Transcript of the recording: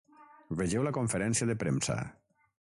Vegeu la conferència de premsa.